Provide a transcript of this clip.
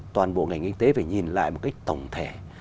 toàn bộ ngành kinh tế phải nhìn lại một cách tổng thể